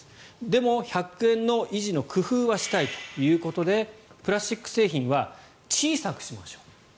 でも、１００円の維持の工夫はしたいということでプラスチック製品は小さくしましょう。